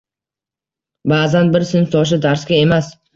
Ba'zan bir sinfdoshi darsga emas